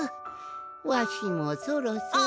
わしもそろそろ。